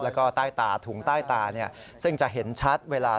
และก็ถุงใต้ตาซึ่งจะเห็นชัดเวลา